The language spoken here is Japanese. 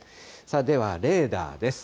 ではレーダーです。